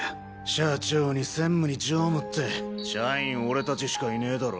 社長に専務に常務って社員俺達しかいねえだろ。